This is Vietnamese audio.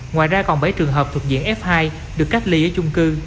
ngoài ra còn bảy trường hợp thuộc diện f hai được cách ly ở chung cư